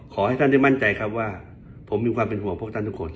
ขอให้ท่านได้มั่นใจครับว่าผมมีความเป็นห่วงพวกท่านทุกคน